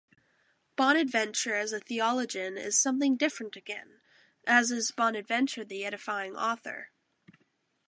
Bonaventure as a theologian is something different again, as is Bonaventure the edifying author.